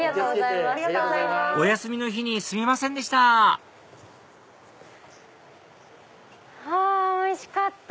お休みの日にすみませんでしたあおいしかった！